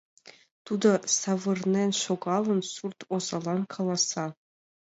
Тудо, савырнен шогалын, сурт озалан каласа: